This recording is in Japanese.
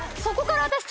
そこから私。